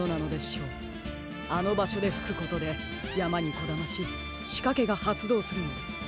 あのばしょでふくことでやまにこだまししかけがはつどうするのです。